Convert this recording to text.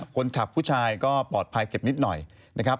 ผู้ชายก็ปลอดภัยเจ็บนิดหน่อยนะครับ